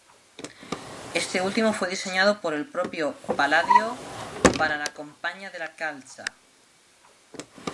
Este último fue diseñado por el propio Palladio para la "Compagnia della Calza".